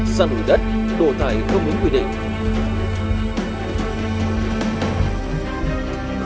xa nổi đất đổ thải không đúng quy định